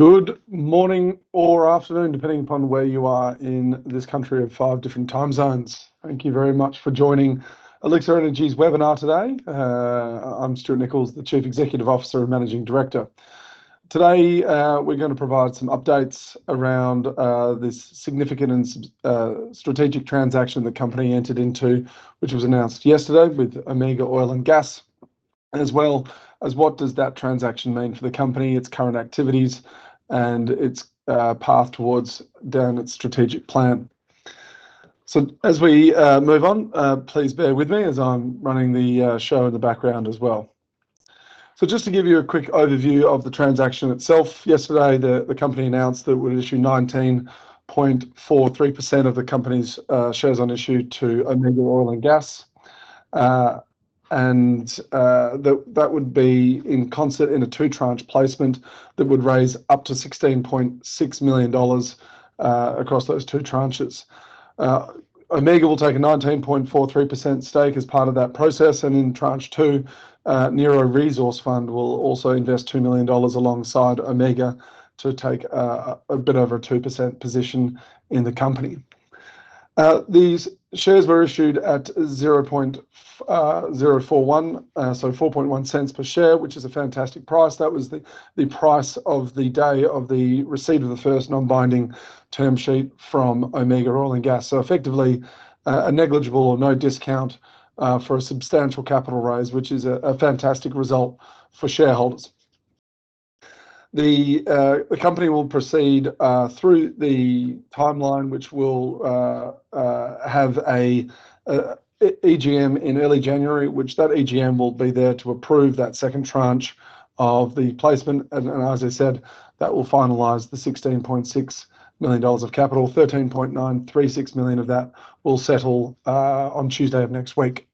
Good morning or afternoon, depending upon where you are in this country of five different time zones. Thank you very much for joining Elixir Energy's webinar today. I'm Stuart Nicholls, the Chief Executive Officer and Managing Director. Today, we're going to provide some updates around this significant and strategic transaction the company entered into, which was announced yesterday with Omega Oil and Gas, as well as what does that transaction mean for the company, its current activities, and its path towards down its strategic plan. As we move on, please bear with me as I'm running the show in the background as well. Just to give you a quick overview of the transaction itself, yesterday the company announced that it would issue 19.43% of the company's shares on issue to Omega Oil and Gas, and that would be in concert in a two-tranche placement that would raise up to 16.6 million dollars across those two tranches. Omega will take a 19.43% stake as part of that process, and in tranche two, Nero Resource Fund will also invest 2 million dollars alongside Omega to take a bit over a 2% position in the company. These shares were issued at 0.041, so 4.1 cents per share, which is a fantastic price. That was the price of the day of the receipt of the first non-binding term sheet from Omega Oil and Gas. Effectively, a negligible or no discount for a substantial capital raise, which is a fantastic result for shareholders. The company will proceed through the timeline, which will have an EGM in early January, which that EGM will be there to approve that second tranche of the placement. As I said, that will finalize the 16.6 million dollars of capital. 13.936 million of that will settle on Tuesday of next week.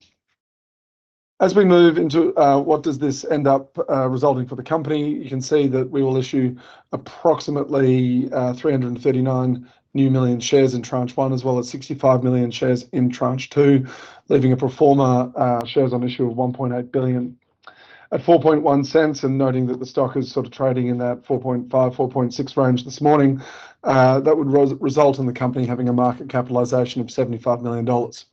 As we move into what does this end up resulting for the company, you can see that we will issue approximately 339 million new shares in tranche one, as well as 65 million shares in tranche two, leaving a pro forma shares on issue of 1.8 billion at 0.041. Noting that the stock is sort of trading in that 0.045-0.046 range this morning, that would result in the company having a market capitalization of 75 million dollars.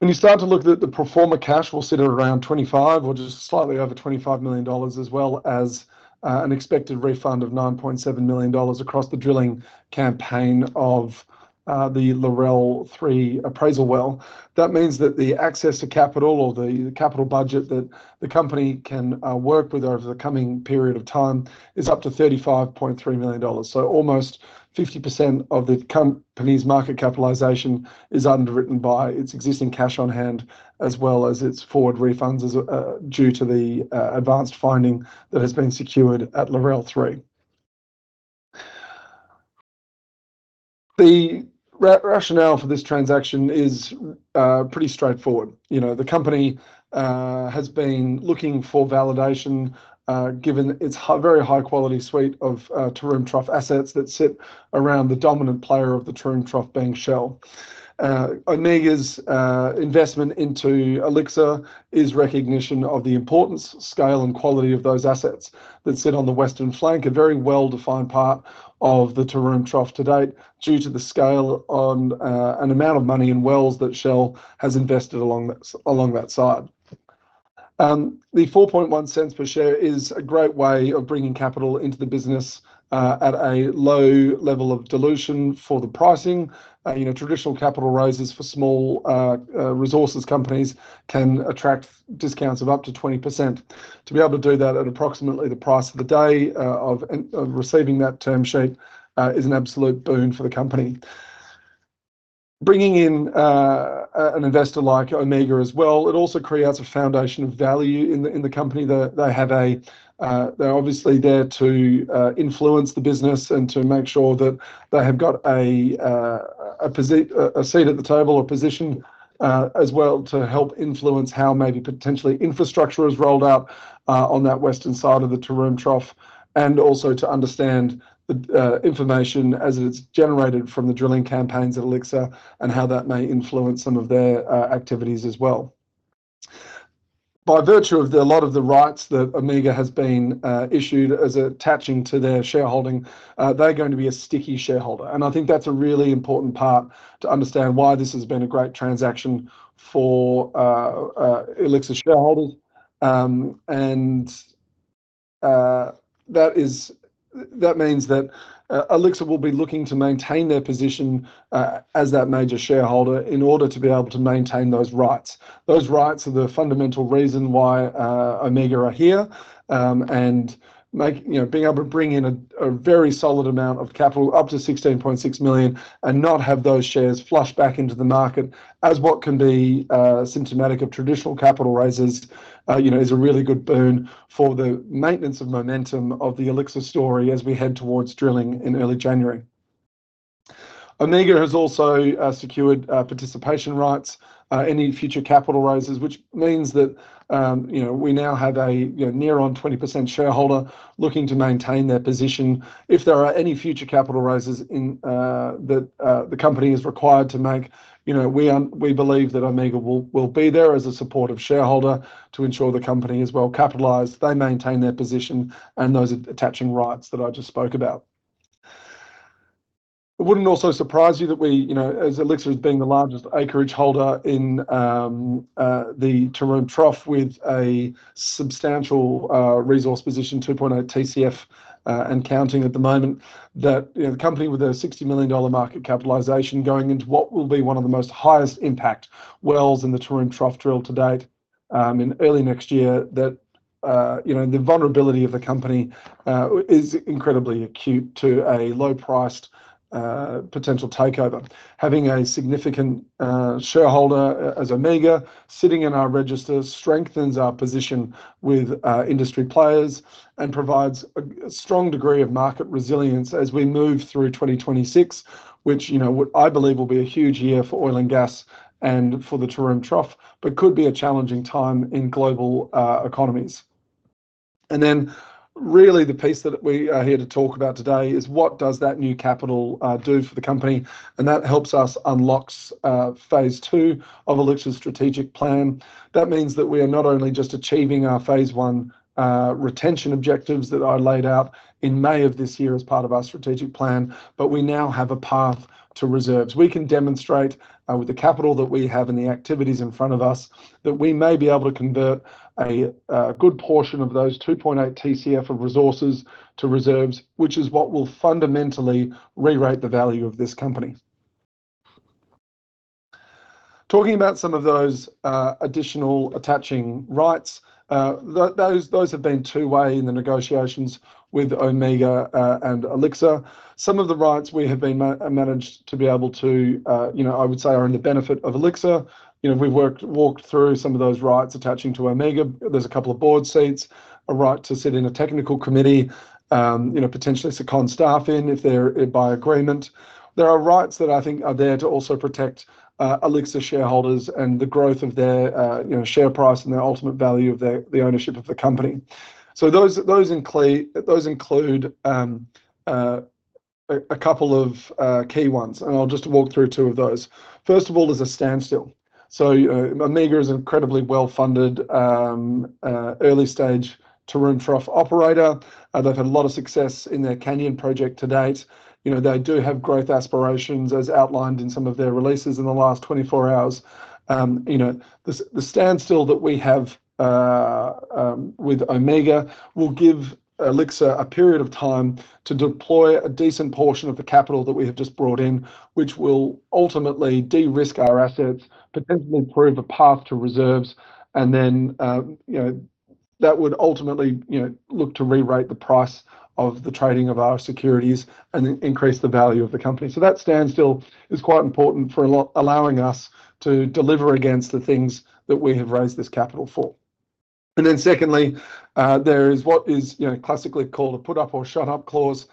When you start to look at the pro forma cash, we'll sit at around 25, which is slightly over 25 million dollars, as well as an expected refund of 9.7 million dollars across the drilling campaign of the Larelle 3 appraisal well. That means that the access to capital or the capital budget that the company can work with over the coming period of time is up to 35.3 million dollars. Almost 50% of the company's market capitalization is underwritten by its existing cash on hand, as well as its forward refunds due to the advanced finding that has been secured at Larelle 3. The rationale for this transaction is pretty straightforward. The company has been looking for validation, given its very high-quality suite of Taroom Trough assets that sit around the dominant player of the Taroom Trough being Shell. Omega's investment into Elixir is recognition of the importance, scale, and quality of those assets that sit on the western flank, a very well-defined part of the Taroom Trough to date, due to the scale and amount of money and wells that Shell has invested along that side. The 0.041 per share is a great way of bringing capital into the business at a low level of dilution for the pricing. Traditional capital raises for small resources companies can attract discounts of up to 20%. To be able to do that at approximately the price of the day of receiving that term sheet is an absolute boon for the company. Bringing in an investor like Omega as well, it also creates a foundation of value in the company. They obviously are there to influence the business and to make sure that they have got a seat at the table, a position as well, to help influence how maybe potentially infrastructure is rolled out on that western side of the Taroom Trough, and also to understand the information as it's generated from the drilling campaigns at Elixir and how that may influence some of their activities as well. By virtue of a lot of the rights that Omega has been issued as attaching to their shareholding, they're going to be a sticky shareholder. I think that's a really important part to understand why this has been a great transaction for Elixir shareholders. That means that Elixir will be looking to maintain their position as that major shareholder in order to be able to maintain those rights. Those rights are the fundamental reason why Omega are here. Being able to bring in a very solid amount of capital, up to 16.6 million, and not have those shares flushed back into the market, as what can be symptomatic of traditional capital raises, is a really good boon for the maintenance of momentum of the Elixir story as we head towards drilling in early January. Omega has also secured participation rights in any future capital raises, which means that we now have a near on 20% shareholder looking to maintain their position. If there are any future capital raises that the company is required to make, we believe that Omega will be there as a supportive shareholder to ensure the company is well capitalized, they maintain their position, and those attaching rights that I just spoke about. It wouldn't also surprise you that we, as Elixir is being the largest acreage holder in the Taroom Trough with a substantial resource position, 2.8 TCF and counting at the moment, that the company with a 60 million dollar market capitalization going into what will be one of the most highest impact wells in the Taroom Trough drilled to date in early next year, that the vulnerability of the company is incredibly acute to a low-priced potential takeover. Having a significant shareholder as Omega sitting in our registers strengthens our position with industry players and provides a strong degree of market resilience as we move through 2026, which I believe will be a huge year for oil and gas and for the Taroom Trough, but could be a challenging time in global economies. Really the piece that we are here to talk about today is what does that new capital do for the company? That helps us unlock phase two of Elixir's strategic plan. That means that we are not only just achieving our phase one retention objectives that I laid out in May of this year as part of our strategic plan, but we now have a path to reserves. We can demonstrate with the capital that we have and the activities in front of us that we may be able to convert a good portion of those 2.8 TCF of resources to reserves, which is what will fundamentally re-rate the value of this company. Talking about some of those additional attaching rights, those have been two-way in the negotiations with Omega and Elixir. Some of the rights we have been managed to be able to, I would say, are in the benefit of Elixir. We've walked through some of those rights attaching to Omega. There's a couple of board seats, a right to sit in a technical committee, potentially second staff in if they're by agreement. There are rights that I think are there to also protect Elixir shareholders and the growth of their share price and the ultimate value of the ownership of the company. Those include a couple of key ones, and I'll just walk through two of those. First of all is a standstill. Omega is an incredibly well-funded early stage Taroom Trough operator. They've had a lot of success in their Canyon project to date. They do have growth aspirations as outlined in some of their releases in the last 24 hours. The standstill that we have with Omega will give Elixir a period of time to deploy a decent portion of the capital that we have just brought in, which will ultimately de-risk our assets, potentially prove a path to reserves, and then that would ultimately look to re-rate the price of the trading of our securities and increase the value of the company. That standstill is quite important for allowing us to deliver against the things that we have raised this capital for. There is what is classically called a put-up or shut-up clause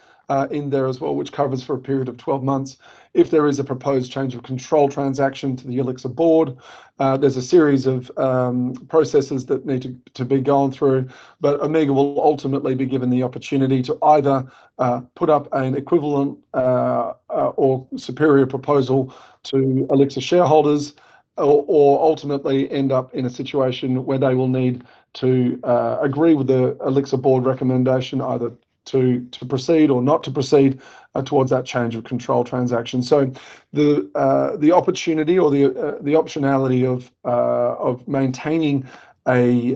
in there as well, which covers for a period of 12 months. If there is a proposed change of control transaction to the Elixir board, there's a series of processes that need to be gone through, but Omega will ultimately be given the opportunity to either put up an equivalent or superior proposal to Elixir shareholders or ultimately end up in a situation where they will need to agree with the Elixir board recommendation either to proceed or not to proceed towards that change of control transaction. The opportunity or the optionality of maintaining a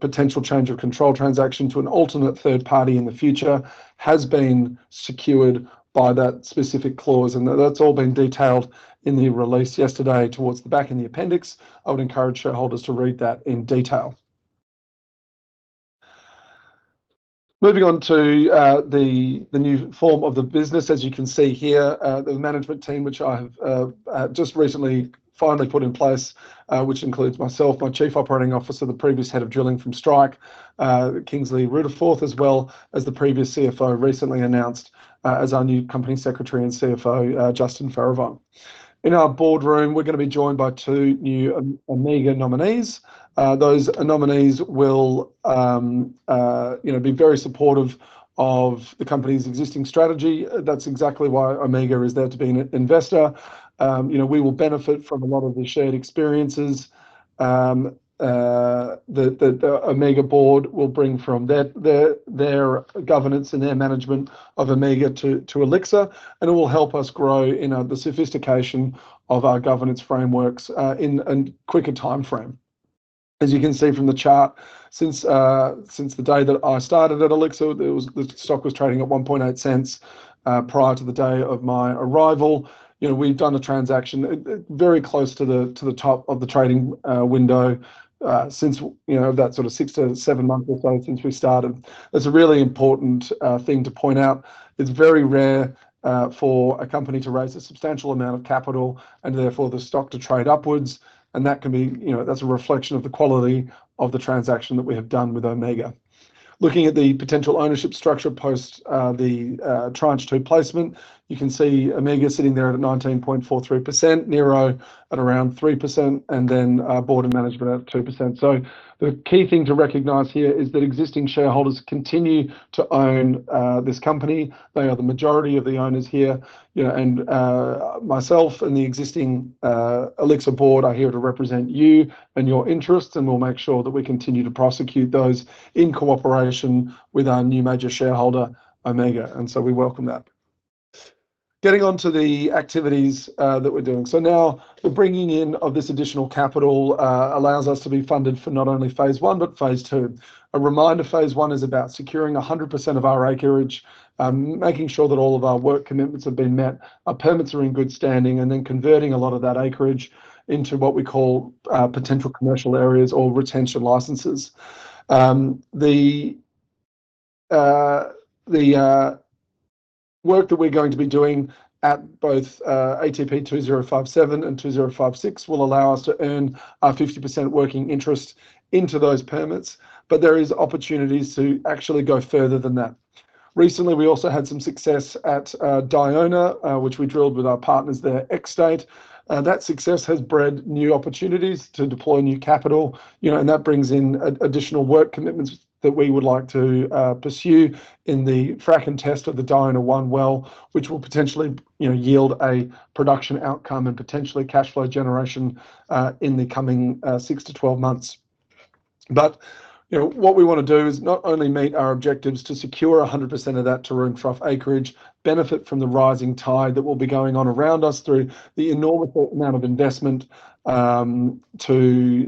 potential change of control transaction to an alternate third party in the future has been secured by that specific clause. That has all been detailed in the release yesterday towards the back in the appendix. I would encourage shareholders to read that in detail. Moving on to the new form of the business, as you can see here, the management team, which I have just recently finally put in place, which includes myself, my Chief Operating Officer, the previous head of drilling from Strike, Kingsley Rutherford, as well as the previous CFO recently announced as our new company secretary and CFO, Justin Faravanis. In our boardroom, we're going to be joined by two new Omega nominees. Those nominees will be very supportive of the company's existing strategy. That's exactly why Omega is there to be an investor. We will benefit from a lot of the shared experiences that the Omega board will bring from their governance and their management of Omega to Elixir, and it will help us grow in the sophistication of our governance frameworks in a quicker timeframe. As you can see from the chart, since the day that I started at Elixir, the stock was trading at 1.8 cents prior to the day of my arrival. We've done a transaction very close to the top of the trading window since that sort of six to seven months or so since we started. That's a really important thing to point out. It's very rare for a company to raise a substantial amount of capital and therefore the stock to trade upwards. That can be a reflection of the quality of the transaction that we have done with Omega. Looking at the potential ownership structure post the tranche two placement, you can see Omega sitting there at 19.43%, Nero at around 3%, and then board and management at 2%. The key thing to recognize here is that existing shareholders continue to own this company. They are the majority of the owners here. Myself and the existing Elixir board are here to represent you and your interests, and we'll make sure that we continue to prosecute those in cooperation with our new major shareholder, Omega. We welcome that. Getting on to the activities that we're doing, the bringing in of this additional capital allows us to be funded for not only phase one, but phase two. A reminder, phase one is about securing 100% of our acreage, making sure that all of our work commitments have been met, our permits are in good standing, and then converting a lot of that acreage into what we call potential commercial areas or retention licenses. The work that we're going to be doing at both ATP 2057 and 2056 will allow us to earn our 50% working interest into those permits, but there are opportunities to actually go further than that. Recently, we also had some success at Dione, which we drilled with our partners there at Xstate. That success has bred new opportunities to deploy new capital, and that brings in additional work commitments that we would like to pursue in the fracking test of the Dione 1 well, which will potentially yield a production outcome and potentially cash flow generation in the coming 6-12 months. What we want to do is not only meet our objectives to secure 100% of that Taroom Trough acreage, benefit from the rising tide that will be going on around us through the enormous amount of investment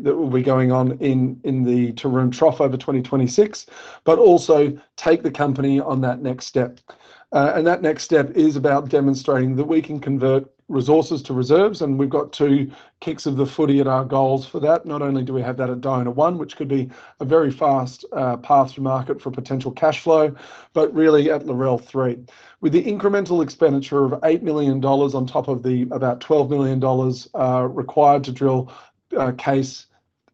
that will be going on in the Taroom Trough over 2026, but also take the company on that next step. That next step is about demonstrating that we can convert resources to reserves, and we've got two kicks of the footy at our goals for that. Not only do we have that at Dione 1, which could be a very fast path to market for potential cash flow, but really at Larelle 3. With the incremental expenditure of 8 million dollars on top of the about 12 million dollars required to drill, case,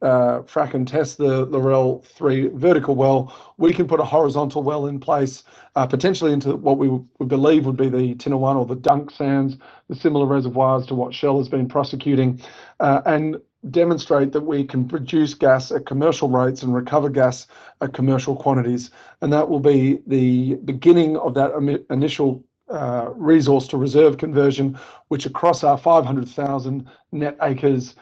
frack, and test the Larelle 3 vertical well, we can put a horizontal well in place, potentially into what we believe would be the Tinnewan or the Dunk Sands, the similar reservoirs to what Shell has been prosecuting, and demonstrate that we can produce gas at commercial rates and recover gas at commercial quantities. That will be the beginning of that initial resource to reserve conversion, which across our 500,000 net acres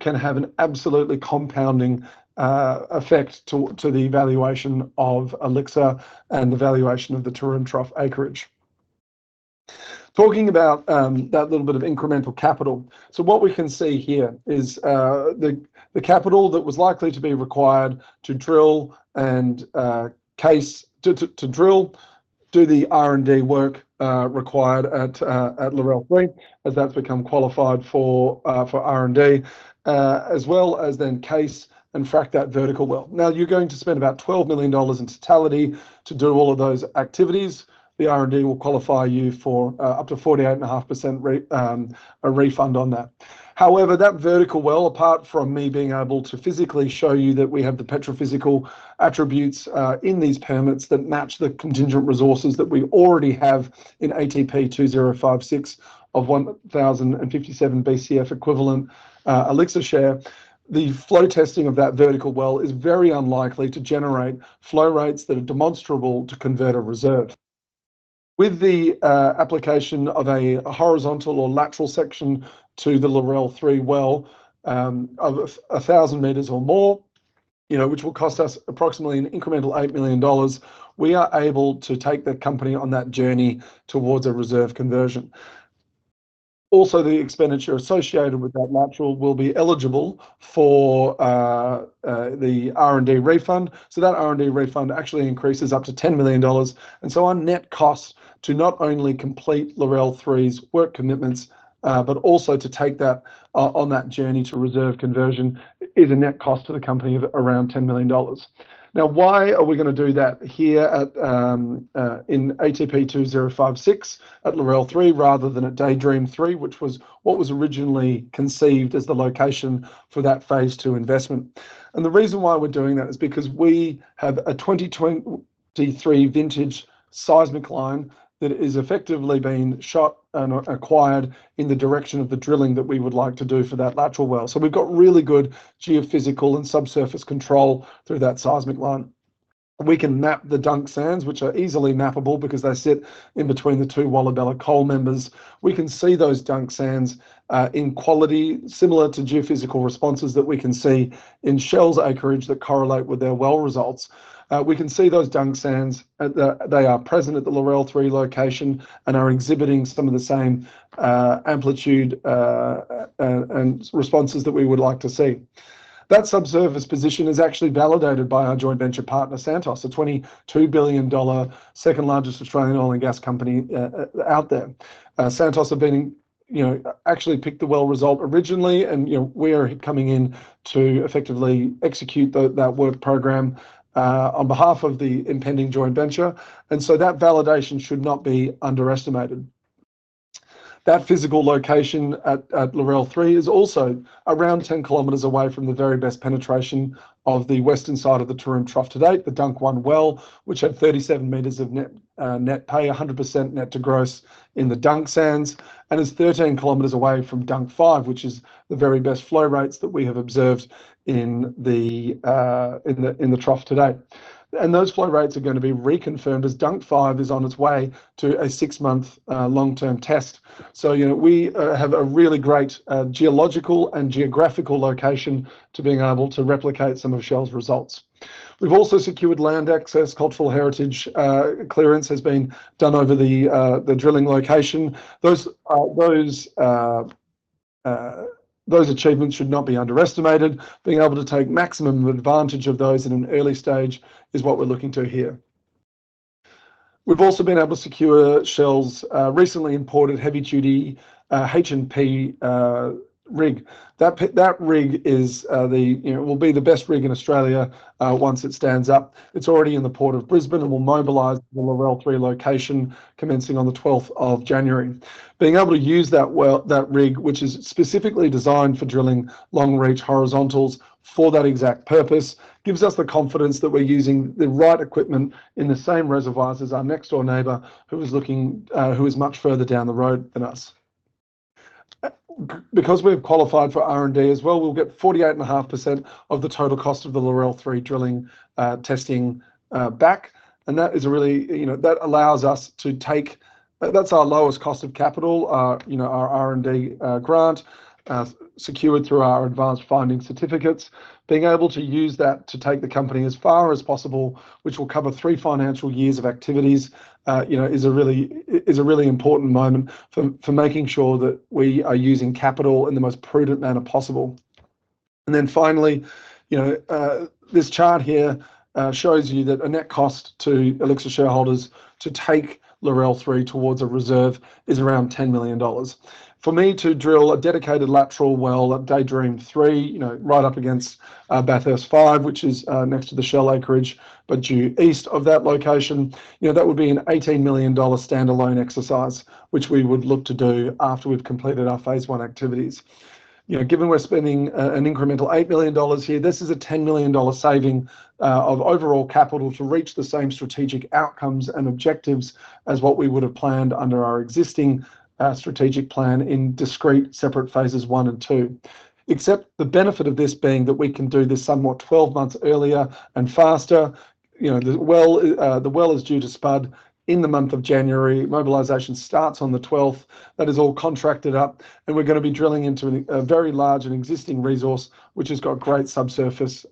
can have an absolutely compounding effect to the valuation of Elixir and the valuation of the Taroom Trough acreage. Talking about that little bit of incremental capital, what we can see here is the capital that was likely to be required to drill and case to drill, do the R&D work required at Larelle 3 as that's become qualified for R&D, as well as then case and frack that vertical well. Now, you're going to spend about 12 million dollars in totality to do all of those activities. The R&D will qualify you for up to 48.5% refund on that. However, that vertical well, apart from me being able to physically show you that we have the petrophysical attributes in these permits that match the contingent resources that we already have in ATP 2056 of 1,057 BCF equivalent Elixir share, the flow testing of that vertical well is very unlikely to generate flow rates that are demonstrable to convert a reserve. With the application of a horizontal or lateral section to the Larelle 3 well of 1,000 meters or more, which will cost us approximately an incremental 8 million dollars, we are able to take the company on that journey towards a reserve conversion. Also, the expenditure associated with that lateral will be eligible for the R&D refund. That R&D refund actually increases up to 10 million dollars. Our net cost to not only complete Larelle 3's work commitments, but also to take that on that journey to reserve conversion is a net cost to the company of around 10 million dollars. Now, why are we going to do that here in ATP 2056 at Larelle 3 rather than at Daydream 3, which was what was originally conceived as the location for that phase two investment? The reason why we're doing that is because we have a 2023 vintage seismic line that is effectively being shot and acquired in the direction of the drilling that we would like to do for that lateral well. We have really good geophysical and subsurface control through that seismic line. We can map the Dunk Sands, which are easily mappable because they sit in between the two Wallabella coal members. We can see those Dunk Sands in quality similar to geophysical responses that we can see in Shell's acreage that correlate with their well results. We can see those Dunk Sands that they are present at the Larelle 3 location and are exhibiting some of the same amplitude and responses that we would like to see. That subsurface position is actually validated by our joint venture partner, Santos, a 22 billion dollar second largest Australian oil and gas company out there. Santos have been actually picked the well result originally, and we are coming in to effectively execute that work program on behalf of the impending joint venture. That validation should not be underestimated. That physical location at Larelle 3 is also around 10 kilometers away from the very best penetration of the western side of the Taroom Trough today, the Dunk 1 well, which had 37 meters of net pay, 100% net to gross in the Dunk Sands, and is 13 kilometers away from Dunk 5, which is the very best flow rates that we have observed in the trough today. Those flow rates are going to be reconfirmed as Dunk 5 is on its way to a six-month long-term test. We have a really great geological and geographical location to being able to replicate some of Shell's results. We've also secured land access, cultural heritage clearance has been done over the drilling location. Those achievements should not be underestimated. Being able to take maximum advantage of those in an early stage is what we're looking to here. We've also been able to secure Shell's recently imported heavy-duty H&P rig. That rig will be the best rig in Australia once it stands up. It's already in the port of Brisbane and will mobilize at the Larelle 3 location commencing on the 12th of January. Being able to use that rig, which is specifically designed for drilling long-reach horizontals for that exact purpose, gives us the confidence that we're using the right equipment in the same reservoirs as our next-door neighbor who is much further down the road than us. Because we've qualified for R&D as well, we'll get 48.5% of the total cost of the Larelle 3 drilling testing back. That is a really that allows us to take that's our lowest cost of capital, our R&D grant secured through our advanced finding certificates. Being able to use that to take the company as far as possible, which will cover three financial years of activities, is a really important moment for making sure that we are using capital in the most prudent manner possible. Finally, this chart here shows you that a net cost to Elixir shareholders to take Larelle 3 towards a reserve is around 10 million dollars. For me to drill a dedicated lateral well at Daydream 3 right up against Bathurst 5, which is next to the Shell acreage, but due east of that location, that would be an 18 million dollar standalone exercise, which we would look to do after we've completed our phase one activities. Given we're spending an incremental 8 million dollars here, this is an 10 million dollar saving of overall capital to reach the same strategic outcomes and objectives as what we would have planned under our existing strategic plan in discreet separate phases one and two. Except the benefit of this being that we can do this somewhat 12 months earlier and faster. The well is due to spud in the month of January. Mobilisation starts on the 12th. That is all contracted up, and we're going to be drilling into a very large and existing resource, which has got great subsurface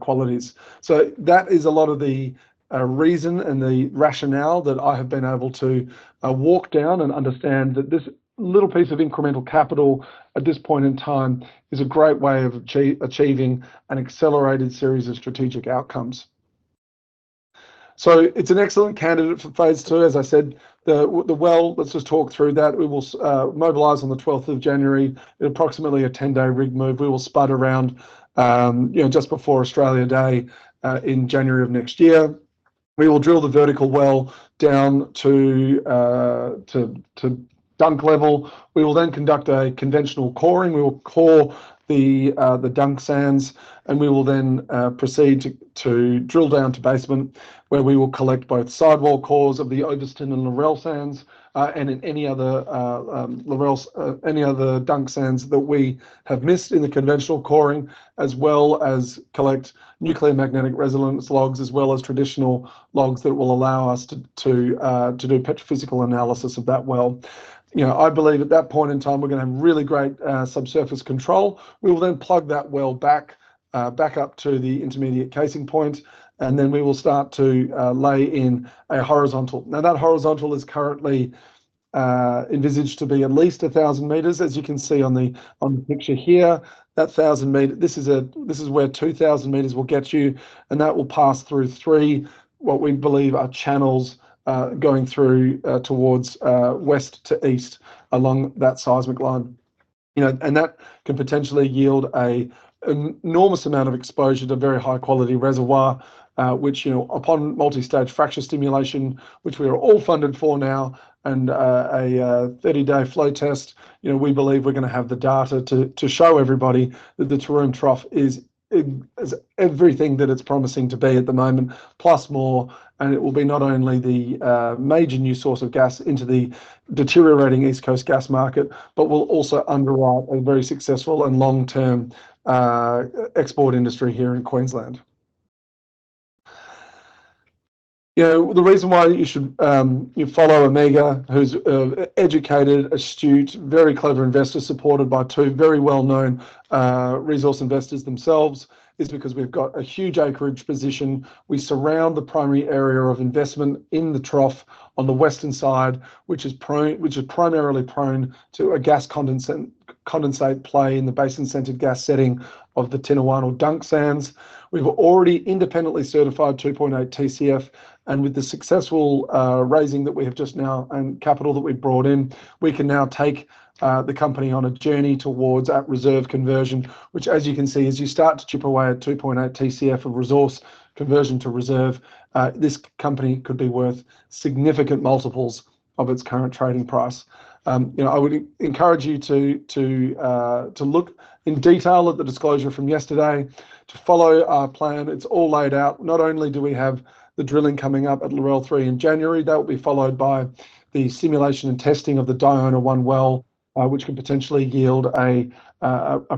qualities. That is a lot of the reason and the rationale that I have been able to walk down and understand that this little piece of incremental capital at this point in time is a great way of achieving an accelerated series of strategic outcomes. It's an excellent candidate for phase two. As I said, the well, let's just talk through that. We will mobilize on the 12th of January. It's approximately a 10-day rig move. We will spud around just before Australia Day in January of next year. We will drill the vertical well down to Dunk level. We will then conduct a conventional coring. We will core the Dunk Sands, and we will then proceed to drill down to basement, where we will collect both sidewall cores of the Oveston and Larelle Sands and any other Dunk Sands that we have missed in the conventional coring, as well as collect nuclear magnetic resonance logs, as well as traditional logs that will allow us to do petrophysical analysis of that well. I believe at that point in time, we're going to have really great subsurface control. We will then plug that well back up to the intermediate casing point, and then we will start to lay in a horizontal. Now, that horizontal is currently envisaged to be at least 1,000 meters, as you can see on the picture here. This is where 2,000 meters will get you, and that will pass through three, what we believe are channels going through towards west to east along that seismic line. That can potentially yield an enormous amount of exposure to very high-quality reservoir, which, upon multi-stage fracture stimulation, which we are all funded for now, and a 30-day flow test, we believe we're going to have the data to show everybody that the Taroom Trough is everything that it's promising to be at the moment, plus more. It will be not only the major new source of gas into the deteriorating East Coast gas market, but will also underwrite a very successful and long-term export industry here in Queensland. The reason why you should follow Omega, who's an educated, astute, very clever investor supported by two very well-known resource investors themselves, is because we've got a huge acreage position. We surround the primary area of investment in the trough on the western side, which is primarily prone to a gas condensate play in the basin-centered gas setting of the Tinnewan or Dunk Sands. We've already independently certified 2.8 TCF, and with the successful raising that we have just now and capital that we've brought in, we can now take the company on a journey towards that reserve conversion, which, as you can see, as you start to chip away at 2.8 TCF of resource conversion to reserve, this company could be worth significant multiples of its current trading price. I would encourage you to look in detail at the disclosure from yesterday to follow our plan. It's all laid out. Not only do we have the drilling coming up at Larelle 3 in January, that will be followed by the simulation and testing of the Dione 1 well, which can potentially yield a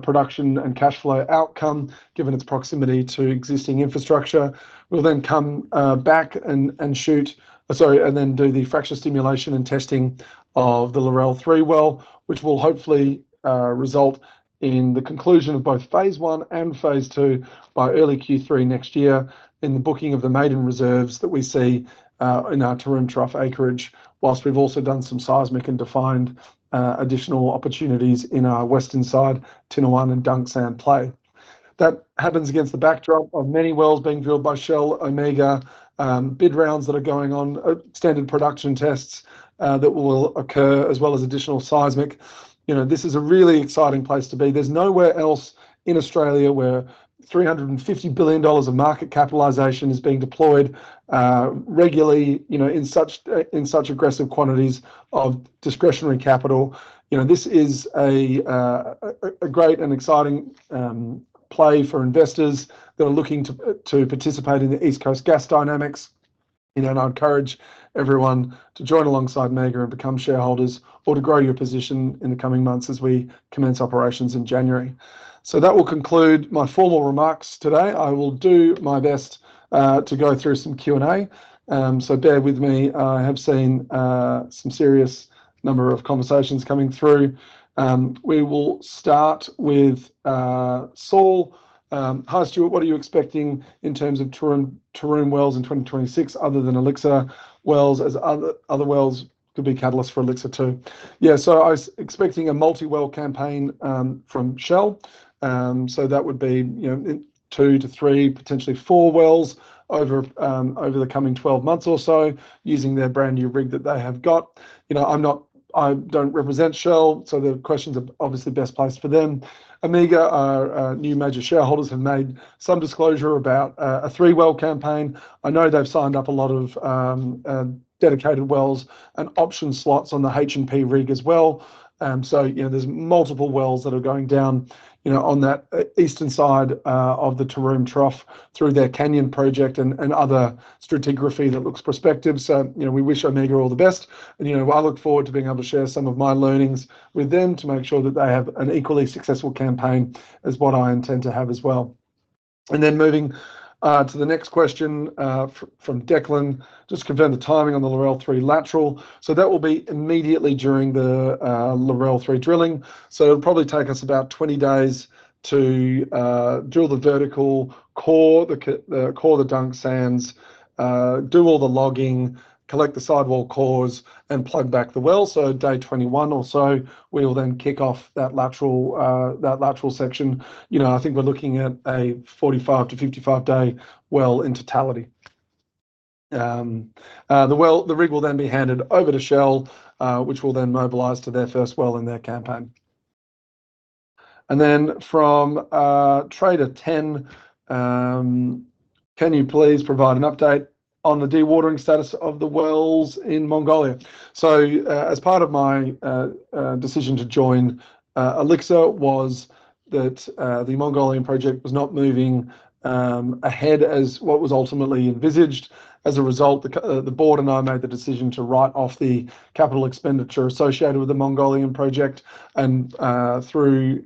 production and cash flow outcome given its proximity to existing infrastructure. We'll then come back and shoot, sorry, and then do the fracture stimulation and testing of the Larelle 3 well, which will hopefully result in the conclusion of both phase one and phase two by early Q3 next year in the booking of the maiden reserves that we see in our Taroom Trough acreage, whilst we've also done some seismic and defined additional opportunities in our western side, Tinnewan and Dunk Sand play. That happens against the backdrop of many wells being drilled by Shell, Omega, bid rounds that are going on, standard production tests that will occur, as well as additional seismic. This is a really exciting place to be. There's nowhere else in Australia where 350 billion dollars of market capitalization is being deployed regularly in such aggressive quantities of discretionary capital. This is a great and exciting play for investors that are looking to participate in the East Coast gas dynamics. I encourage everyone to join alongside Omega and become shareholders or to grow your position in the coming months as we commence operations in January. That will conclude my formal remarks today. I will do my best to go through some Q&A. Bear with me. I have seen some serious number of conversations coming through. We will start with Saul. Hi, Stuart. What are you expecting in terms of Taroom wells in 2026 other than Elixir wells as other wells could be catalysts for Elixir too? Yeah. I was expecting a multi-well campaign from Shell. That would be two to three, potentially four wells over the coming 12 months or so using their brand new rig that they have got. I do not represent Shell, so the questions are obviously best placed for them. Omega, our new major shareholders, have made some disclosure about a three-well campaign. I know they have signed up a lot of dedicated wells and option slots on the H&P rig as well. There are multiple wells that are going down on that eastern side of the Taroom Trough through their canyon project and other stratigraphy that looks prospective. We wish Omega all the best. I look forward to being able to share some of my learnings with them to make sure that they have an equally successful campaign as what I intend to have as well. Moving to the next question from Declan, just to confirm the timing on the Larelle 3 lateral. That will be immediately during the Larelle 3 drilling. It will probably take us about 20 days to drill the vertical core, the core of the Dunk Sands, do all the logging, collect the sidewall cores, and plug back the well. Day 21 or so, we will then kick off that lateral section. I think we're looking at a 45-55 day well in totality. The rig will then be handed over to Shell, which will then mobilize to their first well in their campaign. From Trader Ten, can you please provide an update on the dewatering status of the wells in Mongolia? As part of my decision to join Elixir was that the Mongolian project was not moving ahead as what was ultimately envisaged. As a result, the board and I made the decision to write off the capital expenditure associated with the Mongolian project. Through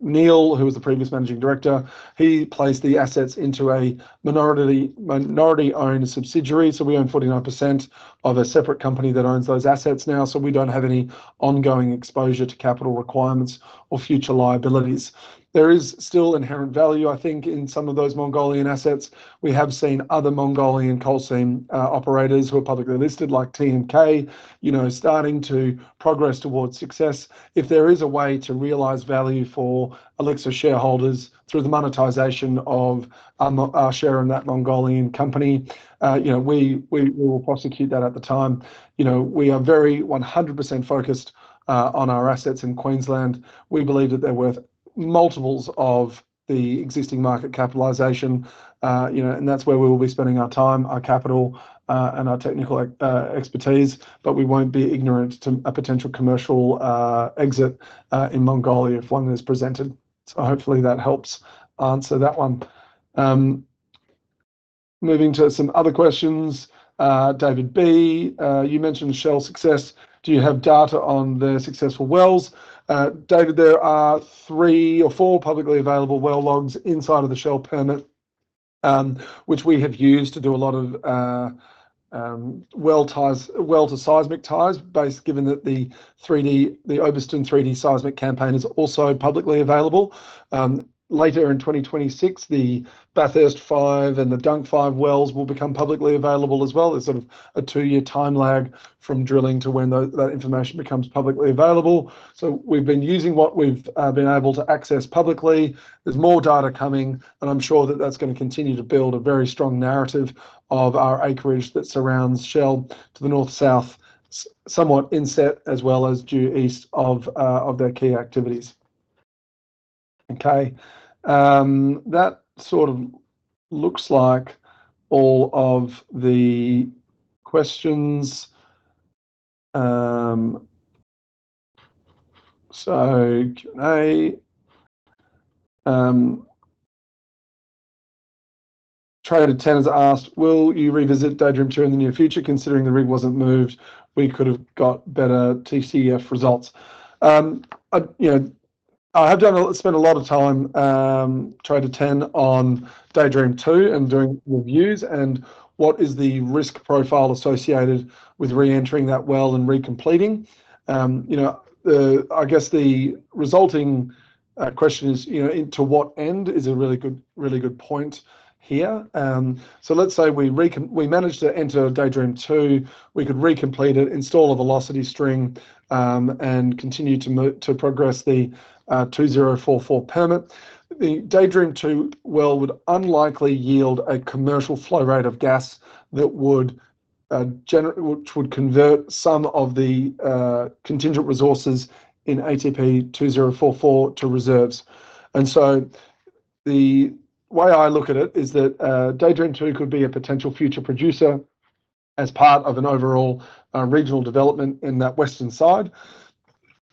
Neil, who was the previous Managing Director, he placed the assets into a minority-owned subsidiary. We own 49% of a separate company that owns those assets now. We do not have any ongoing exposure to capital requirements or future liabilities. There is still inherent value, I think, in some of those Mongolian assets. We have seen other Mongolian coal seam operators who are publicly listed, like TMK, starting to progress towards success. If there is a way to realise value for Elixir shareholders through the monetisation of our share in that Mongolian company, we will prosecute that at the time. We are very 100% focused on our assets in Queensland. We believe that they are worth multiples of the existing market capitalisation. That is where we will be spending our time, our capital, and our technical expertise. We will not be ignorant to a potential commercial exit in Mongolia if one is presented. Hopefully, that helps answer that one. Moving to some other questions. David B, you mentioned Shell success. Do you have data on the successful wells? David, there are three or four publicly available well logs inside of the Shell permit, which we have used to do a lot of well to seismic ties, given that the Oveston 3D seismic campaign is also publicly available. Later in 2026, the Bathurst 5 and the Dunk 5 wells will become publicly available as well. There is a two-year time lag from drilling to when that information becomes publicly available. We have been using what we have been able to access publicly. There's more data coming, and I'm sure that that's going to continue to build a very strong narrative of our acreage that surrounds Shell to the north-south, somewhat inset as well as due east of their key activities. That sort of looks like all of the questions. Q&A. Trader Ten has asked, "Will you revisit Daydream 2 in the near future? Considering the rig wasn't moved, we could have got better TCF results." I have spent a lot of time on Trader Ten on Daydream 2 and doing reviews. And what is the risk profile associated with re-entering that well and recompleting? I guess the resulting question is, to what end? Is a really good point here. Let's say we managed to enter Daydream 2, we could recomplete it, install a velocity string, and continue to progress the 2044 permit. The Daydream 2 well would unlikely yield a commercial flow rate of gas that would convert some of the contingent resources in ATP 2044 to reserves. The way I look at it is that Daydream 2 could be a potential future producer as part of an overall regional development in that western side.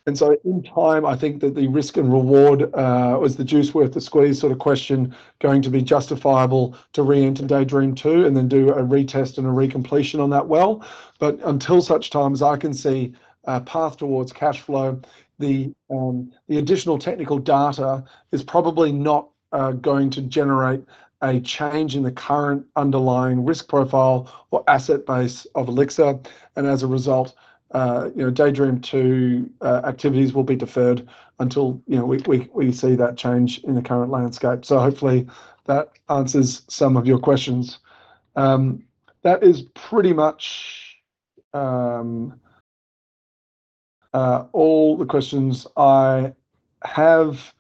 In time, I think that the risk and reward, or is the juice worth the squeeze sort of question, is going to be justifiable to re-enter Daydream 2 and then do a retest and a recompletion on that well. Until such times, I can see a path towards cash flow. The additional technical data is probably not going to generate a change in the current underlying risk profile or asset base of Elixir. As a result, Daydream 2 activities will be deferred until we see that change in the current landscape. Hopefully, that answers some of your questions. That is pretty much all the questions I have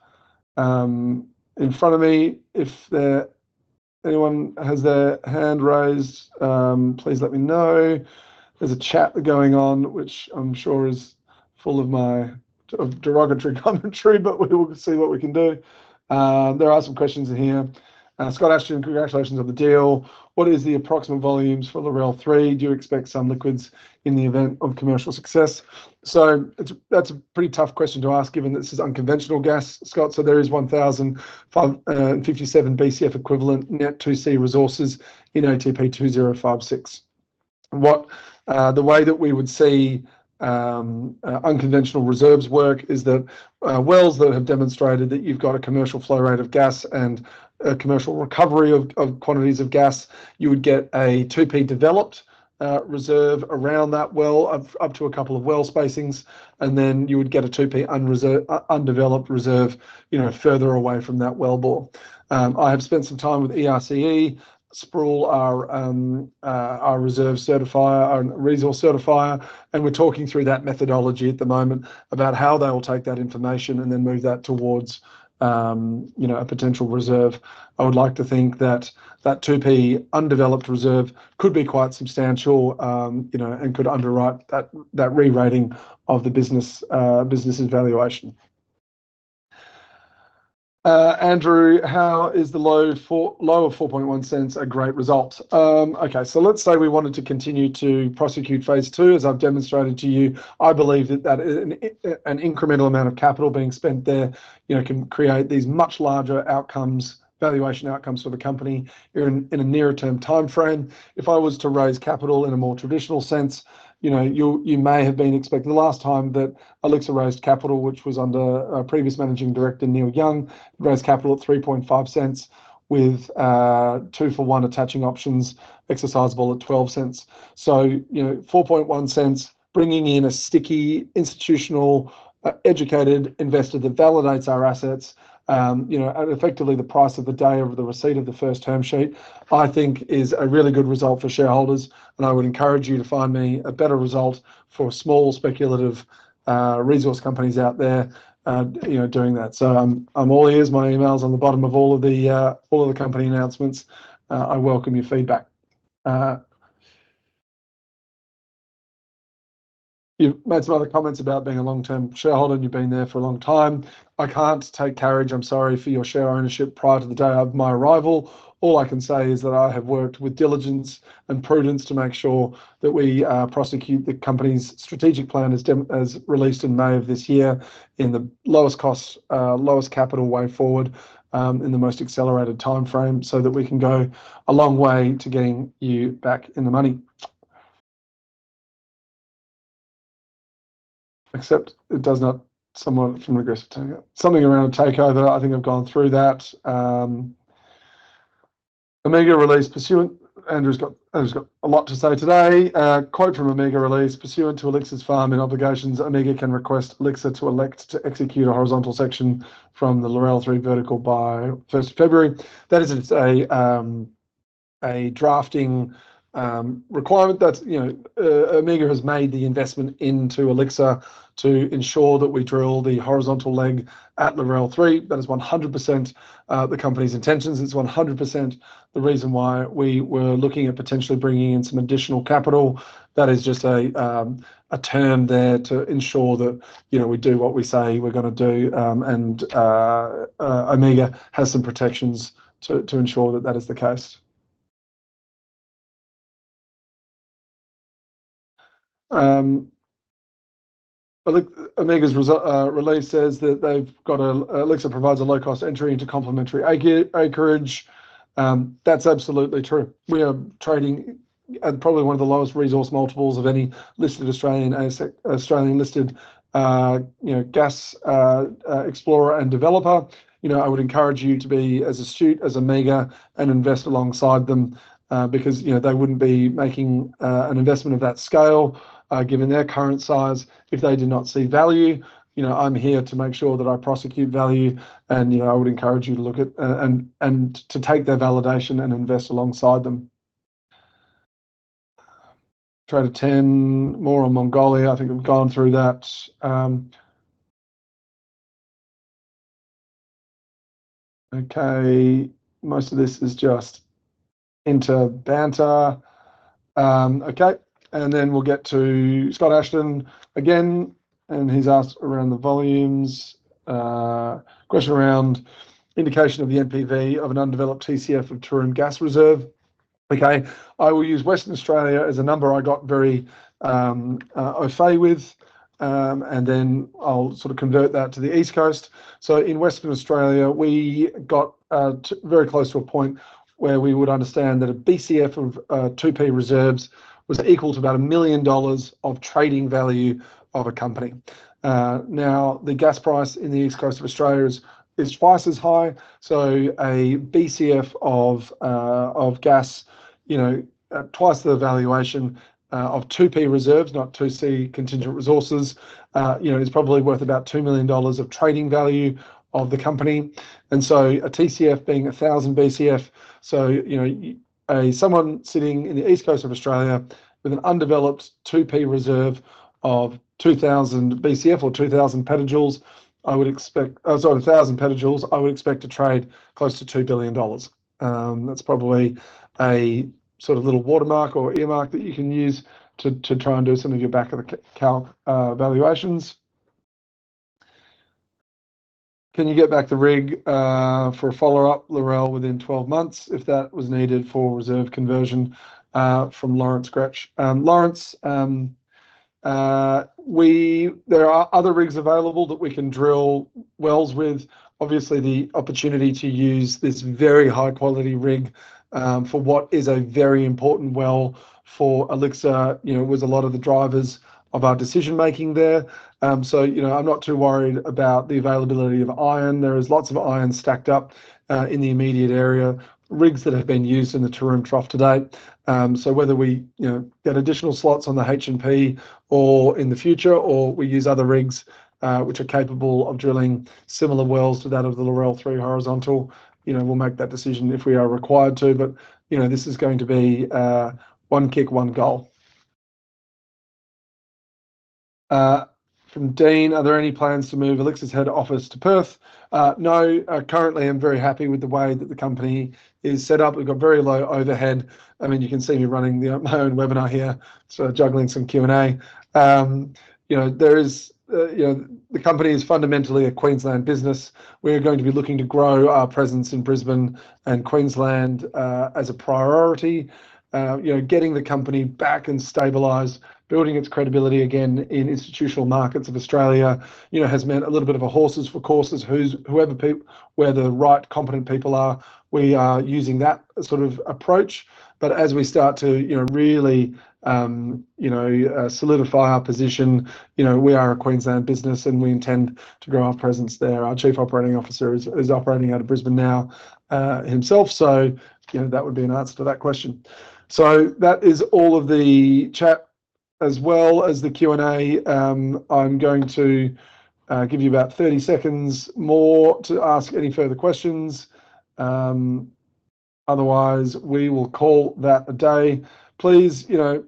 in front of me. If anyone has their hand raised, please let me know. There's a chat going on, which I'm sure is full of my derogatory commentary, but we will see what we can do. There are some questions in here. Scott Ashton, "Congratulations on the deal. What is the approximate volumes for Larelle 3? Do you expect some liquids in the event of commercial success?" That's a pretty tough question to ask, given that this is unconventional gas, Scott. There is 1,057 BCF equivalent net 2C resources in ATP 2056. The way that we would see unconventional reserves work is that wells that have demonstrated that you've got a commercial flow rate of gas and a commercial recovery of quantities of gas, you would get a 2P developed reserve around that well up to a couple of well spacings. You would get a 2P undeveloped reserve further away from that well bore. I have spent some time with ERCE, Sproule, our reserve certifier, our resource certifier, and we're talking through that methodology at the moment about how they will take that information and then move that towards a potential reserve. I would like to think that that 2P undeveloped reserve could be quite substantial and could underwrite that re-rating of the business's valuation. Andrew, "How is the low of 0.041 a great result?" Okay. Let's say we wanted to continue to prosecute phase two, as I've demonstrated to you. I believe that an incremental amount of capital being spent there can create these much larger valuation outcomes for the company in a nearer-term timeframe. If I was to raise capital in a more traditional sense, you may have been expecting the last time that Elixir raised capital, which was under previous Managing Director Neil Young, raised capital at 0.035 with two-for-one attaching options exercisable at 0.12. 0.041, bringing in a sticky, institutional, educated investor that validates our assets at effectively the price of the day of the receipt of the first term sheet, I think is a really good result for shareholders. I would encourage you to find me a better result for small speculative resource companies out there doing that. I'm all ears. My email's on the bottom of all of the company announcements. I welcome your feedback. You've made some other comments about being a long-term shareholder and you've been there for a long time. I can't take carriage. I'm sorry for your share ownership prior to the day of my arrival. All I can say is that I have worked with diligence and prudence to make sure that we prosecute the company's strategic plan as released in May of this year in the lowest cost, lowest capital way forward in the most accelerated timeframe so that we can go a long way to getting you back in the money. Except it does not somewhat from regressive takeout. Something around a takeover. I think I've gone through that. Omega Release Pursuant. Andrew's got a lot to say today. Quote from Omega release: Pursuant to Elixir's farm and obligations, Omega can request Elixir to elect to execute a horizontal section from the Larelle 3 vertical by 1st of February. That is a drafting requirement that Omega has made the investment into Elixir to ensure that we drill the horizontal leg at Larelle 3. That is 100% the company's intentions. It's 100% the reason why we were looking at potentially bringing in some additional capital. That is just a term there to ensure that we do what we say we're going to do. Omega has some protections to ensure that is the case. Omega's release says that Elixir provides a low-cost entry into complementary acreage. That's absolutely true. We are trading at probably one of the lowest resource multiples of any listed Australian listed gas explorer and developer. I would encourage you to be, as a Mega, an investor alongside them because they would not be making an investment of that scale given their current size if they did not see value. I am here to make sure that I prosecute value. I would encourage you to look at and to take their validation and invest alongside them. Trader Ten, more on Mongolia. I think we have gone through that. Most of this is just inter banter. Okay. We will get to Scott Ashton again. He has asked around the volumes. Question around indication of the NPV of an undeveloped TCF of Taroom gas reserve. I will use Western Australia as a number I got very au fait with. I will sort of convert that to the East Coast. In Western Australia, we got very close to a point where we would understand that a BCF of 2P reserves was equal to about 1 million dollars of trading value of a company. Now, the gas price in the East Coast of Australia is twice as high. A BCF of gas, twice the valuation of 2P reserves, not 2C contingent resources, is probably worth about 2 million dollars of trading value of the company. A TCF being 1,000 BCF. Someone sitting in the East Coast of Australia with an undeveloped 2P reserve of 2,000 BCF or 2,000 petajoules, I would expect, sorry, 1,000 petajoules, I would expect to trade close to 2 billion dollars. That's probably a sort of little watermark or earmark that you can use to try and do some of your back-of-the-calc valuations. Can you get back the rig for a follow-up, Larelle, within 12 months if that was needed for reserve conversion from Lawrence Scratch?" Lawrence, there are other rigs available that we can drill wells with. Obviously, the opportunity to use this very high-quality rig for what is a very important well for Elixir was a lot of the drivers of our decision-making there. I am not too worried about the availability of iron. There is lots of iron stacked up in the immediate area, rigs that have been used in the Taroom Trough today. Whether we get additional slots on the H&P or in the future, or we use other rigs which are capable of drilling similar wells to that of the Larelle 3 horizontal, we will make that decision if we are required to. This is going to be one kick, one goal. From Dean, "Are there any plans to move Elixir's head office to Perth?" No. Currently, I'm very happy with the way that the company is set up. We've got very low overhead. I mean, you can see me running my own webinar here, so juggling some Q&A. The company is fundamentally a Queensland business. We're going to be looking to grow our presence in Brisbane and Queensland as a priority. Getting the company back and stabilized, building its credibility again in institutional markets of Australia has meant a little bit of a horses for courses. Whoever people, where the right competent people are, we are using that sort of approach. As we start to really solidify our position, we are a Queensland business, and we intend to grow our presence there. Our Chief Operating Officer is operating out of Brisbane now himself. That would be an answer to that question. That is all of the chat as well as the Q&A. I am going to give you about 30 seconds more to ask any further questions. Otherwise, we will call that a day. Please, my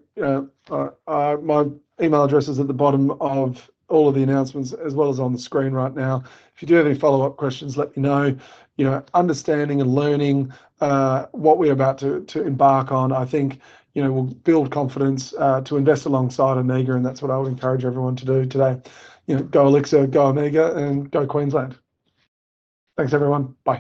email address is at the bottom of all of the announcements as well as on the screen right now. If you do have any follow-up questions, let me know. Understanding and learning what we are about to embark on, I think, will build confidence to invest alongside Omega. That is what I would encourage everyone to do today. Go Elixir, go Omega, and go Queensland. Thanks, everyone. Bye.